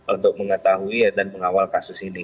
untuk mengetahui dan mengawal kasus ini